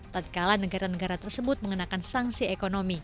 tetkala negara negara tersebut mengenakan sanksi ekonomi